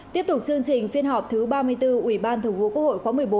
tiếp tục chương trình phiên họp thứ ba mươi bốn ủy ban thường vụ quốc hội khóa một mươi bốn